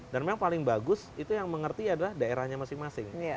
dan memang paling bagus itu yang mengerti adalah daerahnya masing masing